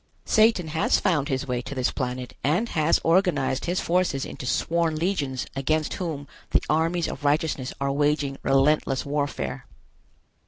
Satan has found his way to this planet and has organized his forces into sworn legions against whom the armies of righteousness are waging relentless warfare.